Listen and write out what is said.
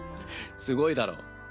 すごいだろ。